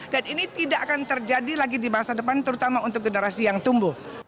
dan ini tidak akan terjadi lagi di masa depan terutama untuk generasi yang tumbuh